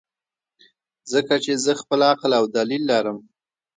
ځکه چې زۀ خپل عقل او دليل لرم -